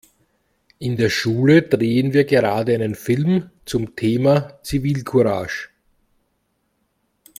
In der Schule drehen wir gerade einen Film zum Thema Zivilcourage.